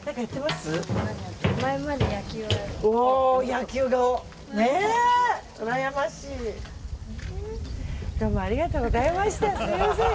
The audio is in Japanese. すみません。